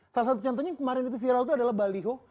salah satu contohnya yang kemarin itu viral itu adalah baliho